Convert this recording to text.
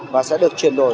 và sẽ được chuyển đổi